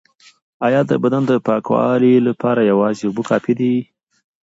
ایا د بدن د پاکوالي لپاره یوازې اوبه کافی دي؟